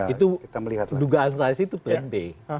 itu dugaan saya sih itu plan b